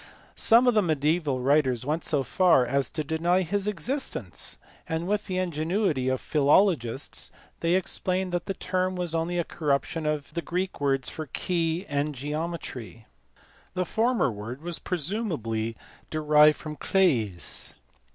Some of the mediaeval writers went so far as to deny his existence, and with the ingenuity of philologists they explained that the term was only a corruption of VK\L a key, and Sis geometry. The former word was presumably derived from K\LS.